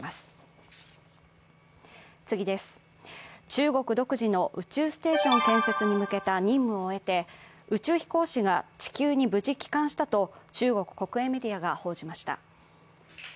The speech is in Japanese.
中国独自の宇宙ステーション建設に向けた任務を終えて宇宙飛行士が地球に無事帰還したと中国国営メディアが報じました。